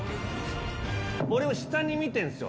俺を下に見てるんですよ。